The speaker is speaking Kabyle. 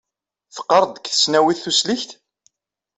Teqqareḍ deg tesnawit tusligt?